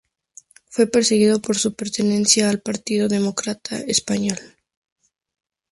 Fue perseguido por su pertenencia al Partido Demócrata español.